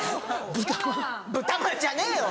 豚まんじゃねえよ！